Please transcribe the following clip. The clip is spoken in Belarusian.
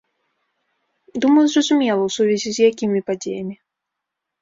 Думаю, зразумела, у сувязі з якімі падзеямі.